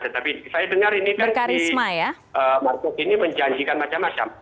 tapi saya dengar ini kan si marcos ini menjanjikan macam macam